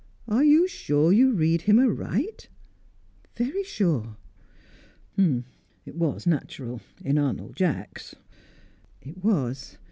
"Are you sure you read him aright?" "Very sure." "It was natural in Arnold Jacks." "It was.